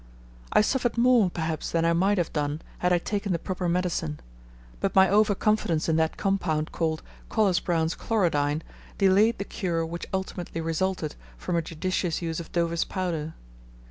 I suffered more, perhaps, than I might have done had I taken the proper medicine, but my over confidence in that compound, called "Collis Brown's Chlorodyne," delayed the cure which ultimately resulted from a judicious use of Dover's powder.